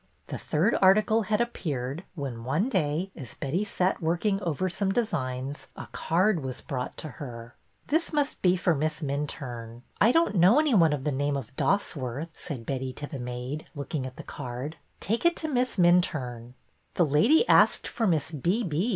The third article had appeared when, one day, as Betty sat working over some designs, a card was brought to her. This must be for Miss Minturne. I don't 304 BETTY BAIRD^S VENTURES know any one of the name of Dosworth/' said Betty to the maid, looking at the card. Take it to Miss Minturne.'' The lady asked for Miss B. B.